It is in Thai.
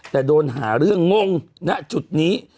แต่โดนหาเรื่องงงณจุดนี้